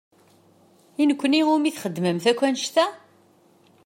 I nekni i wumi txedmemt akk annect-a?